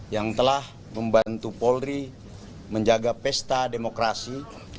yang telah membantu polri menjaga pesta demokrasi